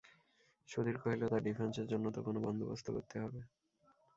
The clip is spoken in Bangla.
সুধীর কহিল, তাঁর ডিফেন্সের জন্যে তো কোনো বন্দোবস্ত করতে হবে।